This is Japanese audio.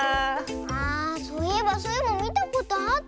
ああそういえばスイもみたことあった。